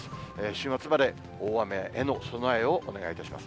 週末まで大雨への備えをお願いいたします。